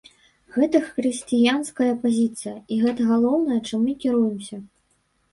Гэта хрысціянская пазіцыя, і гэта галоўнае, чым мы кіруемся.